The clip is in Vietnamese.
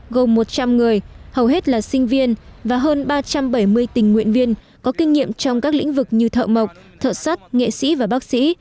gồm một trăm linh người hầu hết là sinh viên và hơn ba trăm bảy mươi tình nguyện viên có kinh nghiệm trong các lĩnh vực như thợ mộc thợ sắt nghệ sĩ và bác sĩ